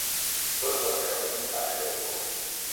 Tots els camins van a Jericó.